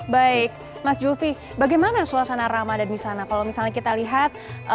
baik mas zulfi bagaimana suasana ramadan di sana kalau misalnya kita lihat